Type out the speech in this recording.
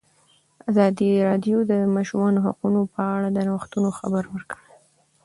ازادي راډیو د د ماشومانو حقونه په اړه د نوښتونو خبر ورکړی.